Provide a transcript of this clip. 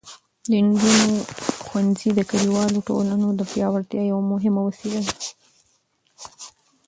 د نجونو ښوونځي د کلیوالو ټولنو د پیاوړتیا یوه مهمه وسیله ده.